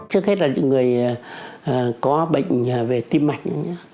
trước hết là những người có bệnh về tim mạch